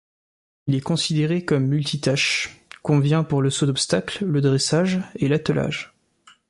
Il est considéré comme multitâches, convient pour le saut d'obstacles, le dressage et l'attelage.